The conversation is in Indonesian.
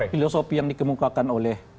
filosofi yang dikemukakan oleh